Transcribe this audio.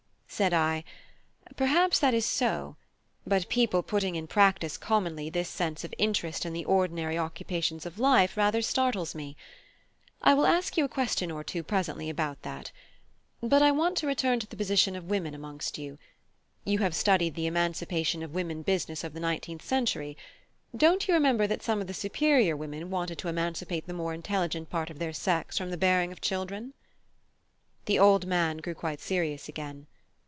Said I: "Perhaps that is so; but people putting in practice commonly this sense of interest in the ordinary occupations of life rather startles me. I will ask you a question or two presently about that. But I want to return to the position of women amongst you. You have studied the 'emancipation of women' business of the nineteenth century: don't you remember that some of the 'superior' women wanted to emancipate the more intelligent part of their sex from the bearing of children?" The old man grew quite serious again.